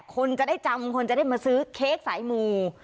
คนจะได้จำคนจะได้มาซื้อเค้กสายหมู่